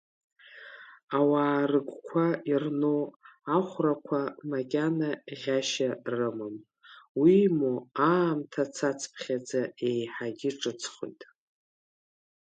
Ауаа рыгәқәа ирну ахәрақәа макьана ӷьашьа рымам, уимоу аамҭа цацԥхьаӡа еиҳагьы иҿыцхоит.